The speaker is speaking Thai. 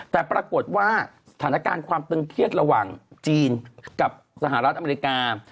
แต่ปรากฏว่าสถานการณ์ความตึงเครียดระหว่างจีนกับสหรัฐอเมริกา